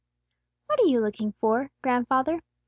"WHAT are you looking for, grandfather?"